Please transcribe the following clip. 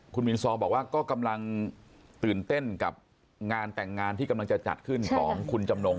คุณมินซอบอกว่าก็กำลังตื่นเต้นกับงานแต่งงานที่กำลังจะจัดขึ้นของคุณจำนง